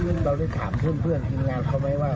ผมประชาชน์แล้วเราได้ถามเพื่อนเพื่อนจริงร้านเขาไหมว่า